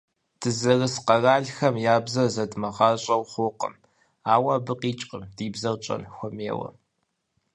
Дызэрыс къэралхэм я бзэр зэдмыгъащӏэу хъуркъым, ауэ абы къикӏкъым ди бзэр тщӏэн хуэмейуэ.